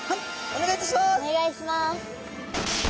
お願いします。